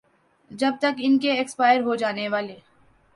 جب تک ان کے ایکسپائر ہوجانے والے